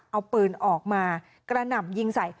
เอาปืนออกมากระหน่ำยิงใส่